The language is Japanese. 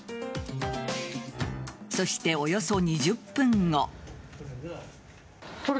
そして、およそ２０分後。